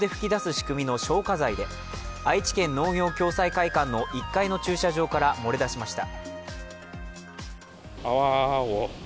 仕組みの消火剤で、愛知県農業共済会館の１階の駐車場から漏れ出しました。